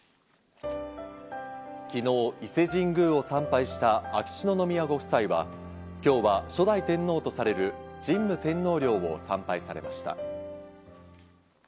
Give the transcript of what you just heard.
昨日、伊勢神宮を参拝した秋篠宮ご夫妻は、今日は初代天皇とされる神武天皇陵を参拝されました。